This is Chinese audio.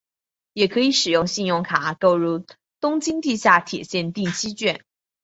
也可使用信用卡购入东京地下铁线定期券。